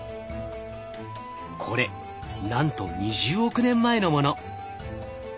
これなんと２０億年前のもの。